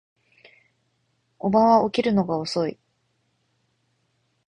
叔母は起きるのが遅い